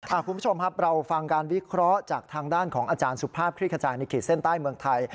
คุณผู้ชมครับเราฟังการวิเคราะห์จากทางด้านของอาจารย์สุภาพคลิกขจายในขีดเส้นใต้เมืองไทย